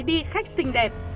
đi khách xinh đẹp